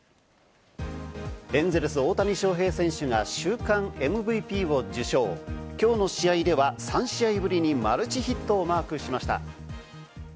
エンゼルス・大谷翔平選手が週間ＭＶＰを受賞、きょうの試合では３試合ぶりにマルチヒットをマークしました。